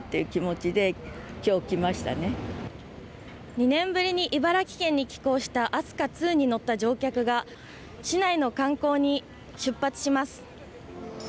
２年ぶりに茨城県に寄港した飛鳥２に乗った乗客が市内の観光に出発します。